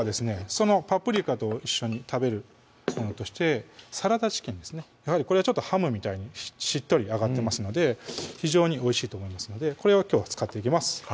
そのパプリカと一緒に食べるものとしてサラダチキンですねやはりこれはハムみたいにしっとりあがってますので非常においしいと思いますのでこれをきょうは使っていきます